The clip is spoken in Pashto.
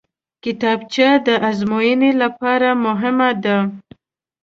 کتابچه د ازموینې لپاره مهمه ده